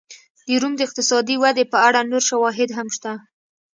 د روم د اقتصادي ودې په اړه نور شواهد هم شته.